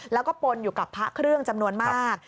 แล้วก็ปนอยู่กับพระเครื่องจำนวนมาก